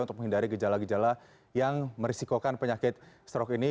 untuk menghindari gejala gejala yang merisikokan penyakit stroke ini